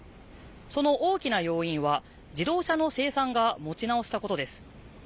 その大きな要因は、自動車の生産が持ち直したことです。